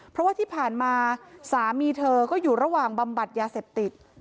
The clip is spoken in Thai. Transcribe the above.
เพราะว่าที่ผ่านมาสามีเธอก็อยู่ระหว่างบำบัดยาเสพติด